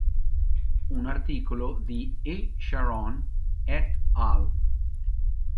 Un articolo di E. Sharon "et al.